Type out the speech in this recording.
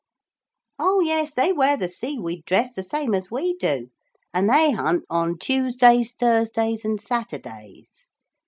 Oh yes, they wear the seaweed dress the same as we do. And they hunt on Tuesdays, Thursdays and Saturdays.